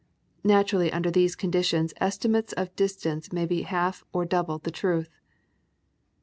Naturally under these conditions estimates of distance may be half or double the truth.